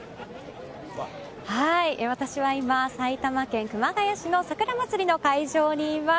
私は今、埼玉県熊谷市のさくら祭の会場にいます。